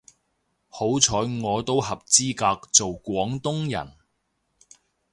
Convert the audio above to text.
好彩我都合資格做廣東人